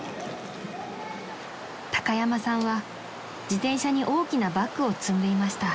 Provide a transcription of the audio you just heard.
［高山さんは自転車に大きなバッグを積んでいました］